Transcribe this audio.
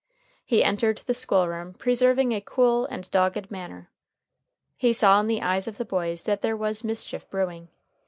He entered the school room preserving a cool and dogged manner. He saw in the eyes of the boys that there was mischief brewing.